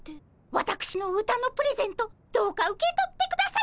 わたくしの歌のプレゼントどうか受け取ってくださいませ。